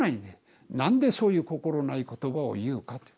なんでそういう心ない言葉を言うかって。